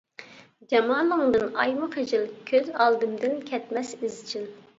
جامالىڭدىن ئايمۇ خىجىل، كۆز ئالدىمدىن كەتمەس ئىزچىل.